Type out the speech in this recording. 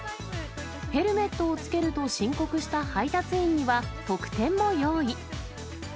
ヘルメットを着けると申告した配達員には、特典も用意。